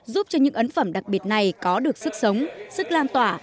giúp cho những ấn phẩm đặc biệt này có được sức sống sức lan tỏa